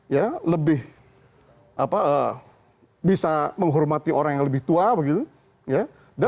ya lebih bisa menghormati orang yang lebih tua begitu ya